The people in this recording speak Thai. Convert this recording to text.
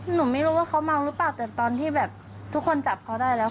หนูไม่รู้ว่าเขาเมาหรือเปล่าแต่ตอนที่แบบทุกคนจับเขาได้แล้ว